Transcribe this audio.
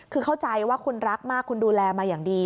คือเข้าใจว่าคุณรักมากคุณดูแลมาอย่างดี